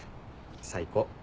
最高。